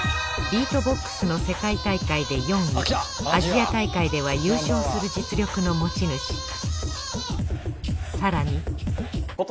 ビートボックスの世界大会で４位アジア大会では優勝する実力の持ち主。